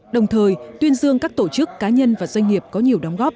đồng thời tuyên dương các tổ chức cá nhân và doanh nghiệp có nhiều đóng góp